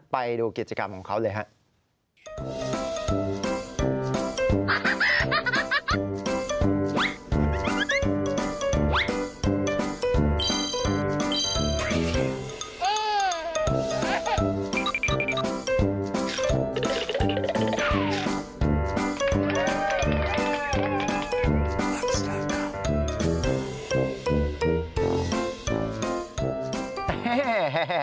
ไปดูกิจกรรมของเขาเลยครับ